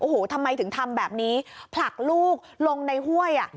โอ้โหทำไมถึงทำแบบนี้ผลักลูกลงในห้วยอ่ะ